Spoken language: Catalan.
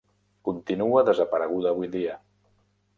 Continua desapareguda avui dia.